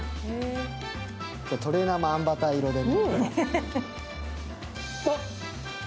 トレーナーもあんバター色でね。